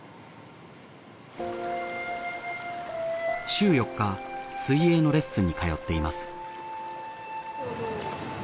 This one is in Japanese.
週４日水泳のレッスンに通っています。